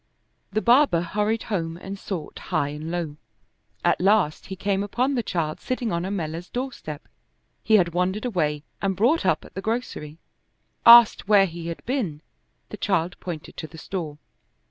The barber hurried home and sought high and low. At last he came upon the child sitting on Ammella's doorstep; he had wandered away and brought up at the grocery; asked where he had been, the child pointed to the store.